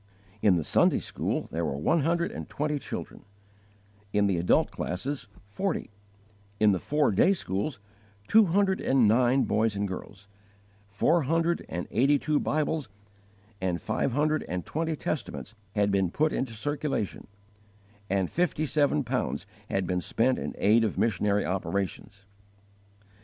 In the Sunday school there were one hundred and twenty children; in the adult classes, forty; in the four day schools, two hundred and nine boys and girls; four hundred and eighty two Bibles and five hundred and twenty Testaments had been put into circulation, and fifty seven pounds had been spent in aid of missionary operations.